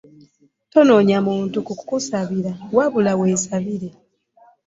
Tonoonya muntu kukusabira wabula weesabire.